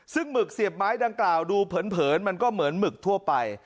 ซึ่งหมึกเสียบไม้ดังกล่าวดูเผินมันก็เหมือนหมึกทั่วไป